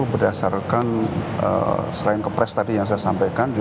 berdasarkan selain kepres tadi yang saya sampaikan